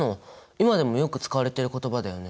今でもよく使われてる言葉だよね。